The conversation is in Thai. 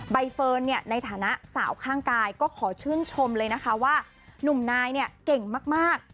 ใบเฟิร์นเนี่ยในฐานะสาวข้างกายก็ขอชื่นชมเลยนะคะว่าหนุ่มนายเนี่ยเก่งมาก